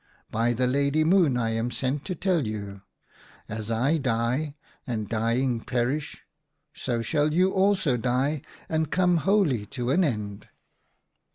By the Lady Moon I am sent to tell you : "As I die and, dying, perish, so shall you also die and come wholly to an end."